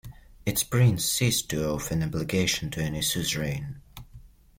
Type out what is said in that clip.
Its prince ceased to owe an obligation to any suzerain.